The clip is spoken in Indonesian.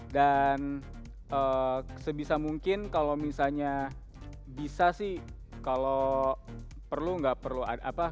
dan sebisa mungkin kalau misalnya bisa sih